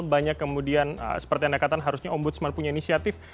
banyak kemudian seperti anda katakan harusnya ombudsman punya inisiatif